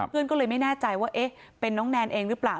เพื่อนก็เลยไม่แน่ใจว่าเอ๊ะเป็นน้องแนนเองหรือเปล่า